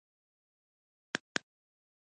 او نه هم کوم ارزښت ورکړل شوی وو.